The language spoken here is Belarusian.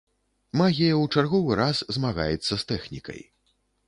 Магія ў чарговы раз змагаецца з тэхнікай.